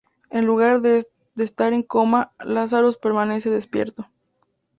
En lugar de estar en coma, Lazarus permanece despierto.